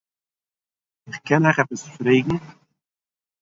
כ'קען אייך עפּעס פרעגן